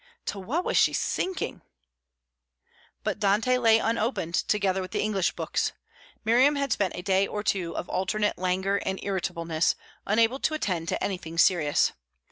To what was she sinking! But Dante lay unopened, together with the English books. Miriam had spent a day or two of alternate languor and irritableness, unable to attend to anything serious.